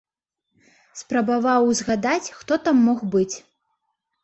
Спрабаваў узгадаць, хто там мог быць.